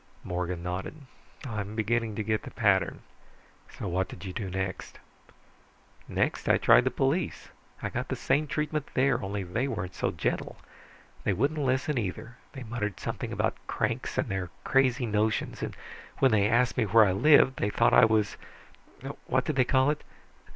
Morgan nodded. "I'm beginning to get the pattern. So what did you do next?" "Next I tried the police. I got the same treatment there, only they weren't so gentle. They wouldn't listen either. They muttered something about cranks and their crazy notions, and when they asked me where I lived, they thought I was what did they call it?